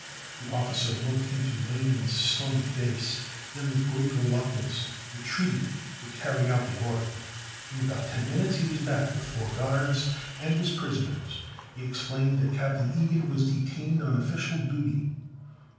The officer looked into Lane's stormy face, then with great reluctance retreated to carry out the order. In about ten minutes he was back, with four guards and his prisoners. He explained that Captain Ilgen was detained on official duty.